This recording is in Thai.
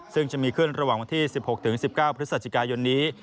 ซึ่งจะมีขึ้นระหว่างวันที่๑๖๑๙พฤศจิกายนนี้